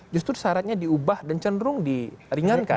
justru syaratnya diubah dan cenderung di ringankan